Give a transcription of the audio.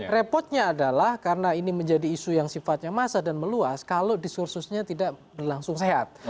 repotnya adalah karena ini menjadi isu yang sifatnya massa dan meluas kalau diskursusnya tidak berlangsung sehat